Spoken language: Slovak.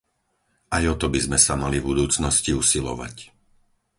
Aj o to by sme sa mali v budúcnosti usilovať.